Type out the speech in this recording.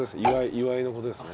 岩井のことですね。